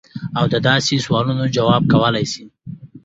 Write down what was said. او د داسې سوالونو جواب کولے شي -